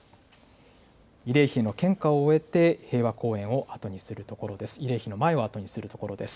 慰霊碑の献花を終えて平和公園を後にするところです。